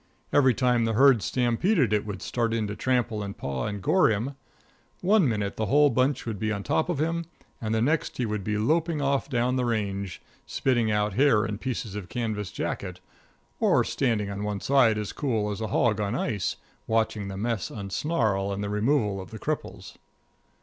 Every time the herd stampeded it would start in to trample and paw and gore him. One minute the whole bunch would be on top of him and the next he would be loping off down the range, spitting out hair and pieces of canvas jacket, or standing on one side as cool as a hog on ice, watching the mess unsnarl and the removal of the cripples.